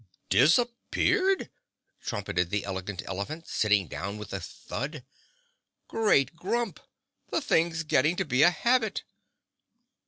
"Disappeared!" trumpeted the Elegant Elephant, sitting down with a thud. "Great Grump! The thing's getting to be a habit!"